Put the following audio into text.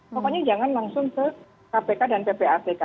pokoknya jangan langsung ke kpk dan ppatk